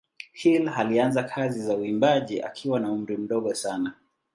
Hill alianza kazi za uimbaji wakiwa na umri mdogo sana.